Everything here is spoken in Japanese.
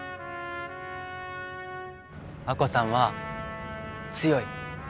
亜子さんは強い。